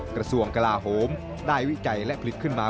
กระทรวงกลาโหมได้วิจัยและผลิตขึ้นมา